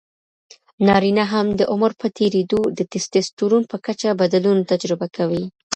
نارینه هم د عمر په تېریدو د ټیسټسټرون په کچه بدلون تجربه کوي.